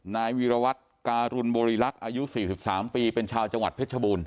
นายวีรวัตรการุณบริรักษ์อายุ๔๓ปีเป็นชาวจังหวัดเพชรบูรณ